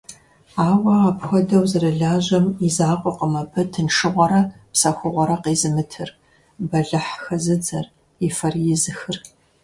Ауэ апхуэдэу зэрылажьэм и закъуэкъым абы тыншыгъуэрэ псэхугъуэрэ къезымытыр, бэлыхь хэзыдзэр, и фэр изыхыр.